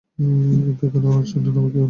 কিন্তু এখানে অর্চনা নামে কেউই নেই।